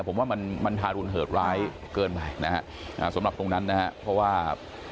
ผมว่ามันทารุณเหิดร้ายเกินไปนะฮะสำหรับตรงนั้นนะฮะเพราะว่า